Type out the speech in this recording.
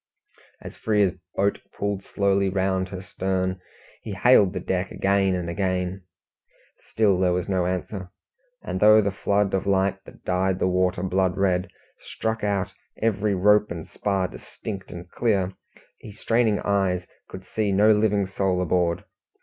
As Frere's boat pulled slowly round her stern, he hailed the deck again and again. Still there was no answer, and though the flood of light that dyed the water blood red struck out every rope and spar distinct and clear, his straining eyes could see no living soul aboard.